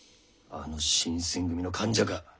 あの新選組の間者か。